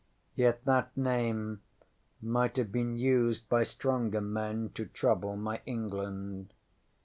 Yet that name might have been used by stronger men to trouble my England.